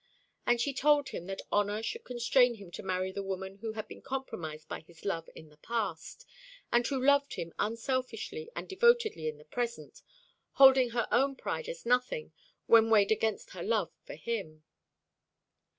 And she told him that honour should constrain him to marry the woman who had been compromised by his love in the past, and who loved him unselfishly and devotedly in the present, holding her own pride as nothing when weighed against her love for him.